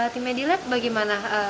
tim medilab bagaimana